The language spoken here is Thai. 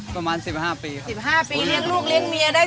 ประมาณสิบห้าปีครับ